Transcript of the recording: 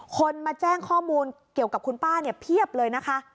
คนมาแจ้งข้อมูลเกี่ยวกับคุณป้าเนี่ยเพียบเลยนะคะ